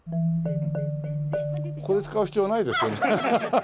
これ使う必要ないですね。